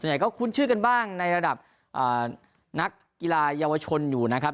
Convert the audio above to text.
ไหนก็คุ้นชื่อกันบ้างในระดับนักกีฬาเยาวชนอยู่นะครับ